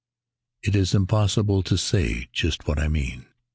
It is impossible to say just what I mean!